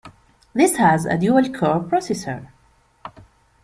This has a dual-core processor.